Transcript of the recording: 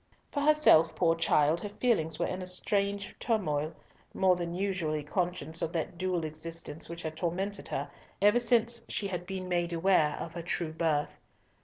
For herself, poor child, her feelings were in a strange turmoil, more than usually conscious of that dual existence which had tormented her ever since she had been made aware of her true birth.